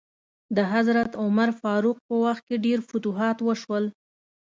د حضرت عمر فاروق په وخت کې ډیر فتوحات وشول.